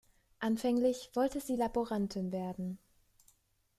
Anfänglich wollte sie Laborantin werden.